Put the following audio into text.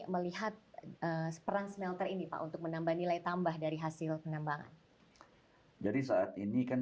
melihat peran smelter ini pak untuk menambah nilai tambah dari hasil penambangan jadi saat ini kan